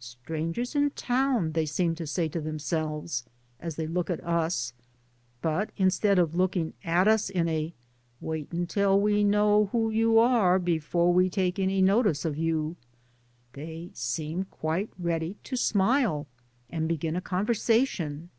Strangers in town I '' they seem to say to them selves as they look at us, but instead of looking at us in a wait until we know who you are be fore we take any notice of you,*' they seem quite ready to smile and begin a conversation.